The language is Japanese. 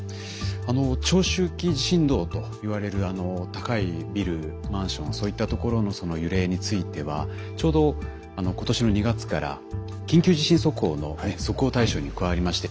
あの長周期地震動といわれる高いビルマンションそういったところの揺れについてはちょうど今年の２月から緊急地震速報の速報対象に加わりまして。